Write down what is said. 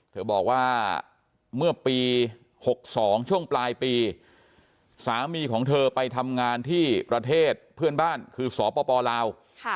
เธอบอกว่าเมื่อปี๖๒ช่วงปลายปีสามีของเธอไปทำงานที่ประเทศเพื่อนบ้านคือสปลาว